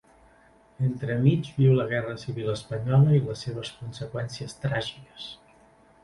Entremig viu la Guerra Civil Espanyola i les seves conseqüències tràgiques.